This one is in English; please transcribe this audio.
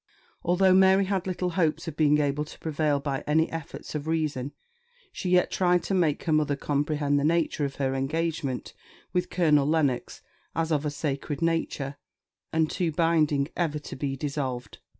Although Mary had little hopes of being able to prevail by any efforts of reason, she yet tried to make her mother comprehend the nature of her engagement with Colonel Lennox as of a sacred nature, and too binding ever to be dissolved.